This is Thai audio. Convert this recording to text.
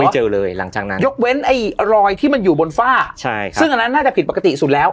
เจอเลยหลังจากนั้นยกเว้นไอ้รอยที่มันอยู่บนฝ้าใช่ซึ่งอันนั้นน่าจะผิดปกติสุดแล้ว